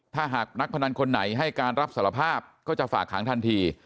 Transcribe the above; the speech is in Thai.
ถ้าหากนักพนันคนไหนให้การรับสารภาพก็จะฝากหางทันที